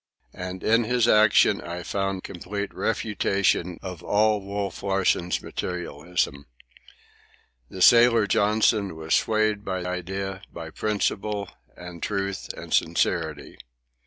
And in his action I found complete refutation of all Wolf Larsen's materialism. The sailor Johnson was swayed by idea, by principle, and truth, and sincerity.